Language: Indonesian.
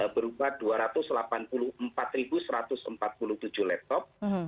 berubah dua ratus delapan puluh empat satu ratus empat puluh tujuh laptop